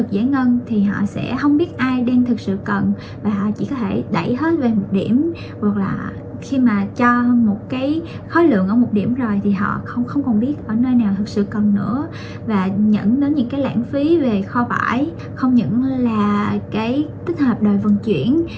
đợi vận chuyển